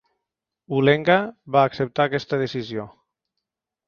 Ulenga va acceptar aquesta decisió.